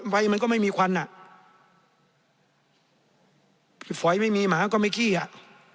มันก็ไม่มีควันอ่ะพี่ฝอยไม่มีหมาก็ไม่ขี้อ่ะ